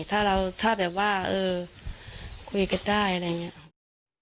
ถ้าแบบว่าเออคุยกันได้อะไรอย่างนี้